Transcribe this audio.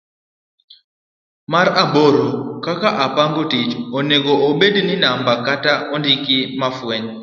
mar aboro. kaka opang tich onego obed gi namba kata andike ma fwenye.